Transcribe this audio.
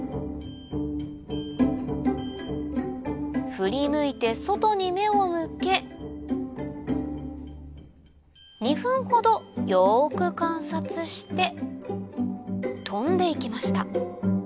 振り向いて外に目を向け２分ほどよく観察して飛んでいきました